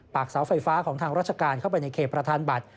เสาไฟฟ้าของทางราชการเข้าไปในเขตประธานบัตร